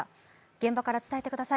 現場から伝えてください。